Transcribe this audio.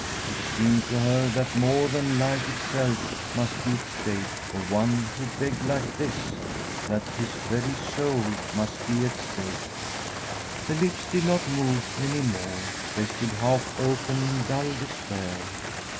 It seemed to her that more than life itself must be at stake for one who begged like this, that his very soul must be at stake. The lips did not move any more; they stood half open in dull despair.